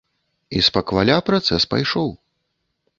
І спакваля працэс пайшоў.